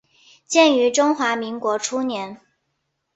建于中华民国初年。